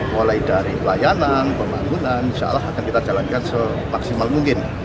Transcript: mulai dari pelayanan pembangunan insya allah akan kita jalankan semaksimal mungkin